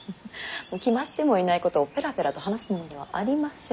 決まってもいないことをペラペラと話すものではありません。